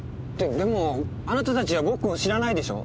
ででもあなたたちは僕を知らないでしょ？